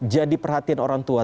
jadi perhatian orang tua